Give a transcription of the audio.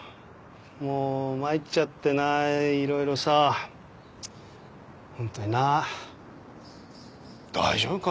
もうまいっちゃってないろいろさ本当にな大丈夫か？